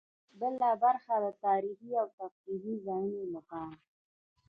بله برخه د تاريخي او تفريحي ځایونو لپاره.